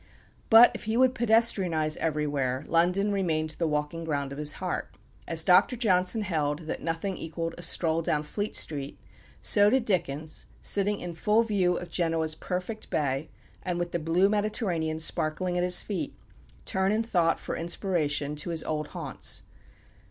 But if he would pedestrianize everywhere, London remained the walking ground of his heart. As Dr. Johnson held that nothing equalled a stroll down Fleet Street, so did Dickens, sitting in full view of Genoa's perfect bay, and with the blue Mediterranean sparkling at his feet, turn in thought for inspiration to his old haunts.